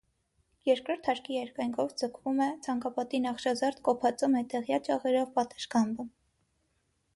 Երկրորդ հարկի երկայնքով ձգվում է ցանկապատի նախշազարդ կոփածո մետաղյա ճաղերով պատշգամբը։